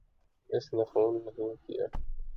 اس نے فون نہیں کیا۔